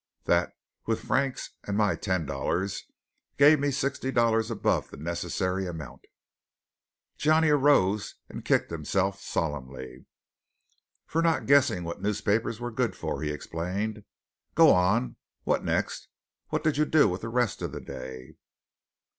That, with Frank's and my ten dollars, gave me sixty dollars above the necessary amount." Johnny arose and kicked himself solemnly. "For not guessing what newspapers were good for," he explained. "Go on! What next? What did you do with the rest of the day?"